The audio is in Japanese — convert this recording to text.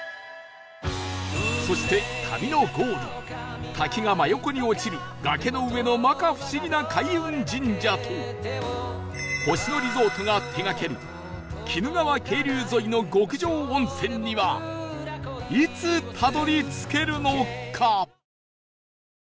そして旅のゴール滝が真横に落ちる崖の上の摩訶不思議な開運神社と星野リゾートが手がける鬼怒川渓流沿いの極上温泉にはいつたどり着けるのか？